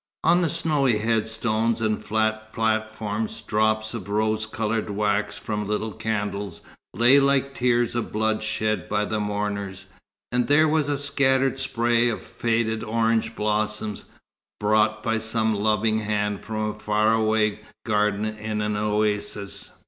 On the snowy headstones and flat platforms, drops of rose coloured wax from little candles, lay like tears of blood shed by the mourners, and there was a scattered spray of faded orange blossoms, brought by some loving hand from a far away garden in an oasis.